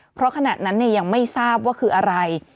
เพราะขณะนั้นยังไม่ทราบว่าคืออะไร